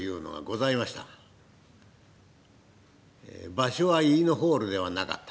場所はイイノホールではなかった。